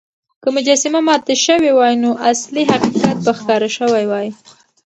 که مجسمه ماته شوې وای، نو اصلي حقيقت به ښکاره شوی وای.